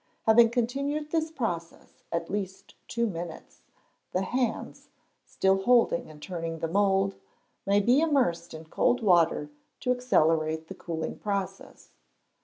Having continued this process at least two minutes, the hands (still holding and turning the mould) may be immersed in cold water to accelerate the cooling process.